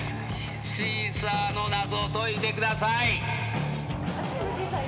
シーサーの謎を解いてください。